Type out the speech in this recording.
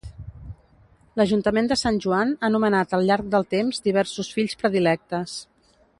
L'Ajuntament de Sant Joan ha nomenat al llarg del temps diversos Fills Predilectes.